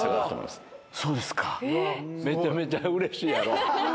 めちゃめちゃうれしいやろ。